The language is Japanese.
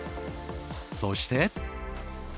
そして。